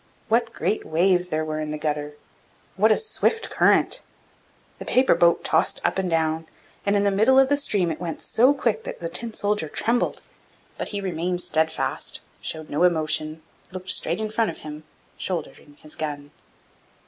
What great waves there were in the gutter, and what a swift current! The paper boat tossed up and down, and in the middle of the stream it went so quick that the Tin soldier trembled; but he remained steadfast, showed no emotion, looked straight in front of him, shouldering his gun.